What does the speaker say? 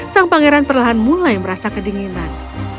sang pangeran perlahan mulai merasa kedinginan